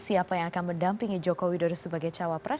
siapa yang akan mendampingi jokowi doros sebagai cawa pres